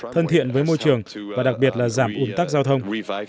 thân thiện với môi trường và đặc biệt là giảm ủn tắc giao thông